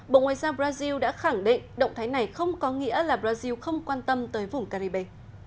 bộ ngoại giao brazil đã khẳng định động thái này không có nghĩa là brazil không quan tâm tới vùng caribe